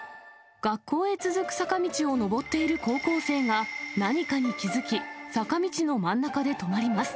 学校へ続く坂道を上っている高校生が何かに気付き、坂道の真ん中で止まります。